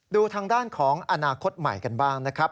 ดูทางด้านของอนาคตใหม่กันบ้างนะครับ